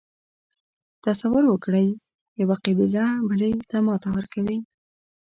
تصور وکړئ یوه قبیله بلې ته ماتې ورکوي.